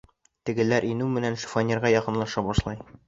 Тегеләр инеү менән шифоньерға яҡынлаша башлай.